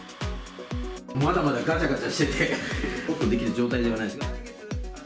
まだまだがちゃがちゃしてて、オープンできる状態じゃないですけど。